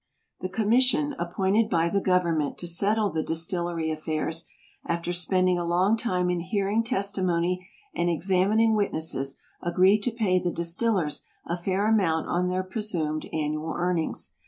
The commission appointed by the gov ernment to settle the distillery affairs, after spending a long time in hearing testimony and examining witnesses, agreed to pay the distillers a fair amount on their presumed annual earnings.